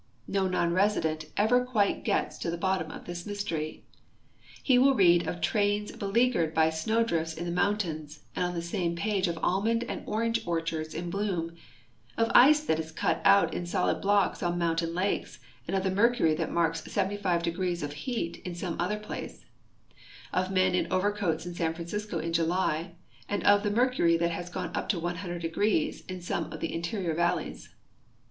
No non resident ever quite gets to the bottom of this mystery. He will read of trains beleagured by snow drifts in the mountains, and on the same page of almond and orange orchards in bloom ; of ice that is cut out in solid blocks on mountain lakes, and of the mercury that marks 75 degrees of heat in some other ])lace ; of men in overcoats in San Francisco in Jul}', and of the mercuiy that has gone up to 100 degrees in some of the interior valleys.